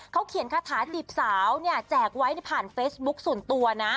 เขาเขียนคาถาจีบสาวเนี่ยแจกไว้ผ่านเฟซบุ๊คส่วนตัวนะ